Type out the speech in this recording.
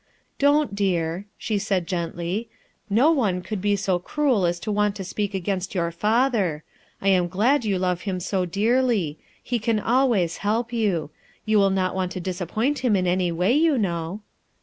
"Don't, dear," she said gently. "No one could be so cruel as to want to speak against your father. I am glad you love him so dearly; he can always help you. You will not want to disappoint him in any way, you know."